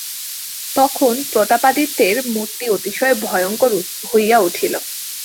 তখন প্রতাপাদিত্যের মুর্তি অতিশয় ভয়ঙ্কর হইয়া উঠিল।